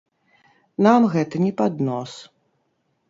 Нам гэта не пад нос!